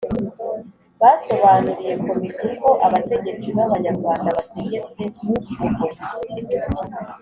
basobanuriye Komite uko abategetsi b'Abanyarwanda bategetse u Bugoyi,